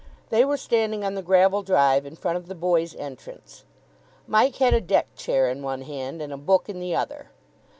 They were standing on the gravel drive in front of the boys' entrance. Mike had a deck chair in one hand and a book in the other.